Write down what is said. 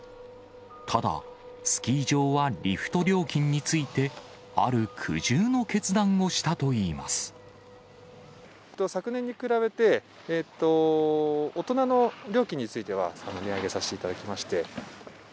ただ、スキー場はリフト料金について、昨年に比べて、大人の料金については、値上げさせていただきまして。